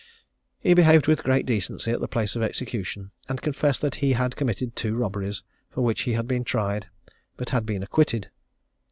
He behaved with great decency at the place of execution, and confessed that he had committed two robberies, for which he had been tried, but had been acquitted.